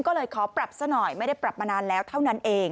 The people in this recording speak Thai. ก็เลยขอปรับซะหน่อยไม่ได้ปรับมานานแล้วเท่านั้นเอง